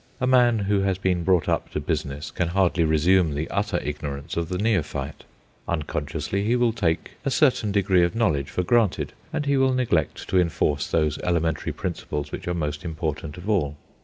A man who has been brought up to business can hardly resume the utter ignorance of the neophyte. Unconsciously he will take a certain degree of knowledge for granted, and he will neglect to enforce those elementary principles which are most important of all.